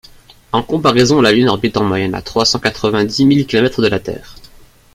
En comparaison, la Lune orbite en moyenne à trois cents quatre-vingt-dix mille kilomètres de la Terre.